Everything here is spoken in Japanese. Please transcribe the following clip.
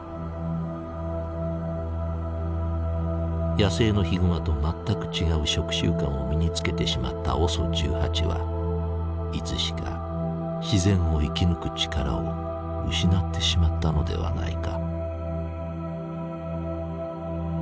野生のヒグマと全く違う食習慣を身につけてしまったＯＳＯ１８はいつしか自然を生き抜く力を失ってしまったのではないか。